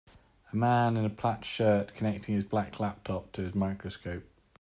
A man in a plaid shirt connecting his black laptop to his microscope.